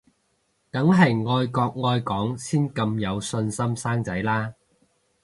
梗係愛國愛港先咁有信心生仔啦